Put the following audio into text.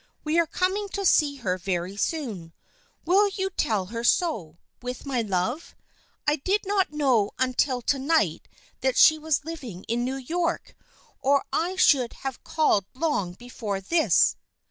We are coming to see her very soon. Will you tell her so, with my love? I did not know until to night that she was living in New York or I should h&ve called long before this."